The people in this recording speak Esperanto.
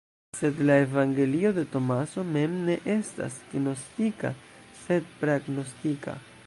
Sed la evangelio de Tomaso mem ne estas gnostika sed pra-gnostika.